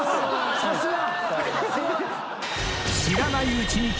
さすが！